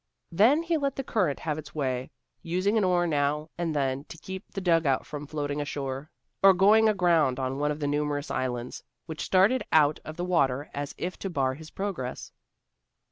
Then he let the current have its way, using an oar now and then to keep the dugout from floating ashore, or going aground on one of the numerous islands which started out of the water as if to bar his progress.